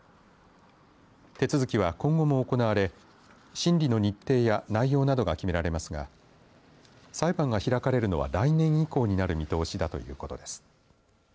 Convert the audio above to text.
手続きは今後も行われ審理の日程や内容などが決められますが裁判が開かれるのは来年以降になる見通しだということです。